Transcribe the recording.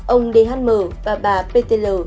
ông dhm và bà ptl